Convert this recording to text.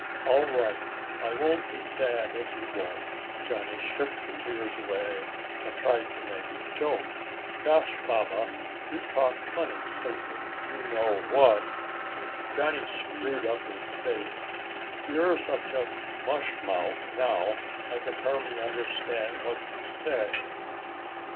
"All right, I won't be sad if you won't." Johnny shook the tears away and tried to make a joke. "Gosh, Baba, you talk funny since you know what." Johnny screwed up his face. "You're such a mushmouth now I can hardly understand what you say."